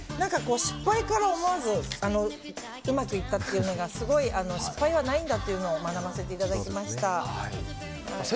失敗から、思わずうまくいったっていうのが失敗はないんだというのを学ばせていただきました。